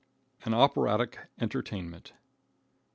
An Operatic Entertainment.